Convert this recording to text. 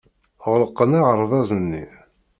Ɣelqen aɣerbaz-nni.